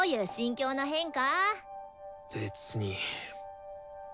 別に。